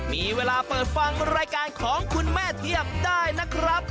มีเวลาเปิดฟังรายการของคุณแม่เทียบได้นะครับ